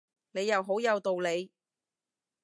你又好有道理